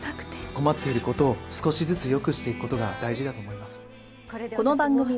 困っている事を少しずつ良くしていく事が大事だと思います。